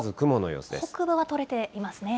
北部は取れていますね。